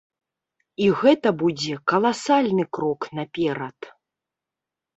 І гэта будзе каласальны крок наперад.